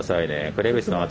クレビスの圧